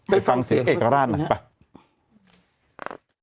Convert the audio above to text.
ไปฟังเสียงเอกราชหน่อยไป